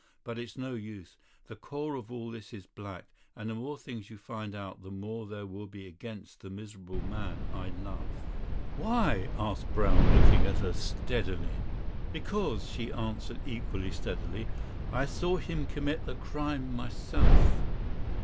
But it's no use. The core of all this is black, and the more things you find out the more there will be against the miserable man I love." "Why?" asked Brown, looking at her steadily. "Because," she answered equally steadily, "I saw him commit the crime myself."